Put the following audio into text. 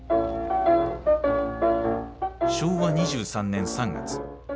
昭和２３年３月。